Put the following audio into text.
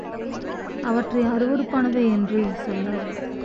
அவற்றை அருவருப்பானவை என்று சொல்லாதே.